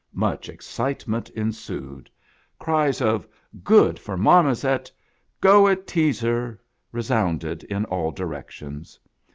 Much excitement ensued. Cries of " Good for Marmoset!" "Go it, Teazer !" resounded in all directions.